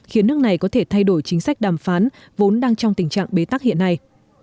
khiến nước này có thể thay đổi chính sách đàm phán vốn đang trong tình trạng bế tắc hiện nay